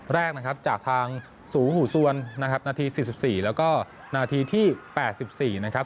แรกนะครับจากทางสูงหูซวนนะครับนาที๔๔แล้วก็นาทีที่๘๔นะครับ